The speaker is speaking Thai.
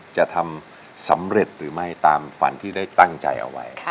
จะทำสำเร็จหรือไม่ตามฝันที่ได้ตั้งใจเอาไว้